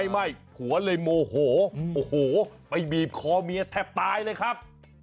ไม่ผัวเลยโมโหโอ้โหไปบีบคอเมียแทบตายเลยครับ